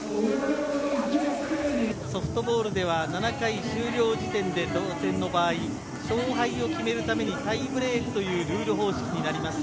ソフトボールでは７回終了時点で同点の場合、勝敗を決めるためにタイブレークというルール方式になります。